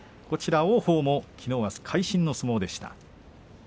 こちらの王鵬もきのうは会心の相撲でした。